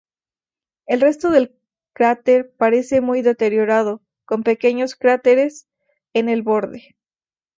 El resto del cráter aparece muy deteriorado, con pequeños cráteres en el borde.